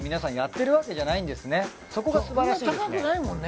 そこがすばらしいですね。